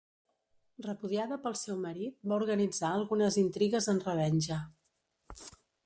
Repudiada pel seu marit va organitzar algunes intrigues en revenja.